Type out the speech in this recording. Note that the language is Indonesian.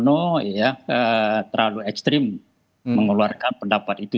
itu adalah hal yang terlalu ekstrim mengeluarkan pendapat itu